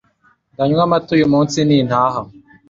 Ndanywa amata uyu munsi ni ntaha